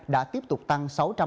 đã tiếp tục tăng